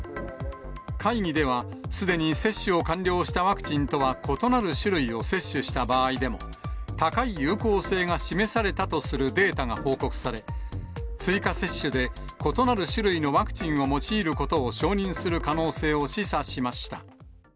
会議では、すでに接種を完了したワクチンとは異なる種類を接種した場合でも、高い有効性が示されたとするデータが報告され、追加接種で、異なる種類のワクチンを用いることを承認する可能性を示唆しました。